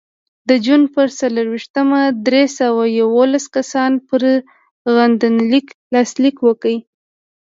د جون په څلرویشتمه درې سوه یوولس کسانو پر غندنلیک لاسلیک وکړ.